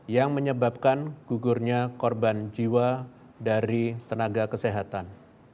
yang menyebabkan gugurnya korban jiwa dari tenaga kesehatan